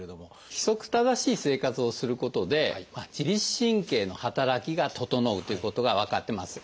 規則正しい生活をすることで自律神経の働きが整うということが分かってます。